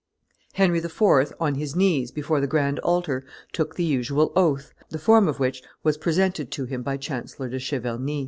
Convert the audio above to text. Henry IV., on his knees before the grand altar, took the usual oath, the form of which was presented to him by Chancellor de Chiverny.